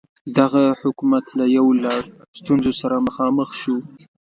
دغه حکومت له یو لړ ستونزو سره مخامخ شو.